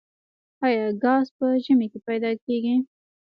آیا ګاز په ژمي کې پیدا کیږي؟